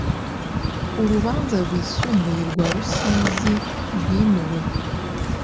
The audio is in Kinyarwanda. urubanza rwisumbuye rwa rusizi rwimuwe